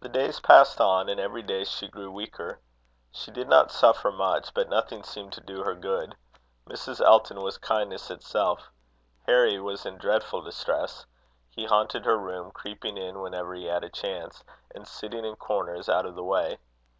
The days passed on, and every day she grew weaker. She did not suffer much, but nothing seemed to do her good. Mrs. Elton was kindness itself. Harry was in dreadful distress. He haunted her room, creeping in whenever he had a chance, and sitting in corners out of the way.